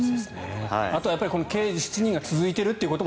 あとはこの「刑事７人」が続いているということも